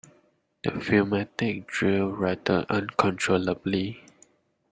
The pneumatic drill rattled uncontrollably.